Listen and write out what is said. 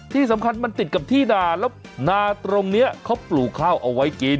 ที่สำคัญมันติดกับที่นาแล้วนาตรงนี้เขาปลูกข้าวเอาไว้กิน